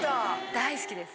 大好きです。